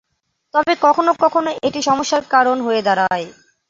তবে কখনও কখনও এটি সমস্যার কারণ হয়ে দাঁড়ায়।